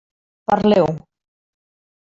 Parleu.